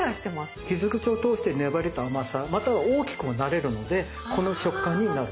傷口を通して粘りと甘さまたは大きくもなれるのでこの食感になる。